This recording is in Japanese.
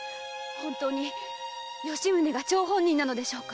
本当に吉宗が張本人なのでしょうか？